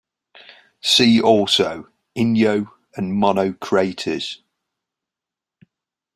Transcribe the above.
See also: Inyo and Mono Craters.